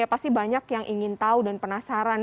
ya pasti banyak yang ingin tahu dan penasaran